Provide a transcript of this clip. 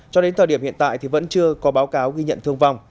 cho đến thời điểm hiện tại thì vẫn chưa có báo cáo ghi nhận thương vong